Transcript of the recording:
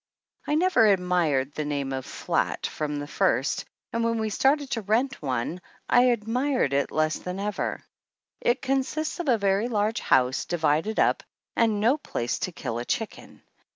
I never admired the name of flat from the first and when we started to rent one I admired THE ANNALS OF ANN it less than ever. It consists of a very large house, divided up, and no place to kill a chicken.